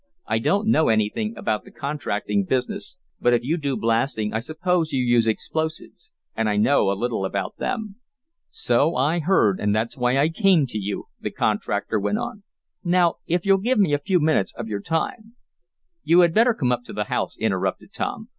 "I don't know anything about the contracting business, but if you do blasting I suppose you use explosives, and I know a little about them." "So I have heard, and that's why I came to you," the contractor went on. "Now if you'll give me a few minutes of your time " "You had better come up to the house," interrupted Tom.